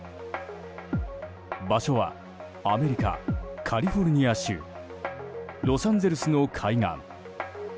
場所はアメリカ・カリフォルニア州ロサンゼルスの海岸。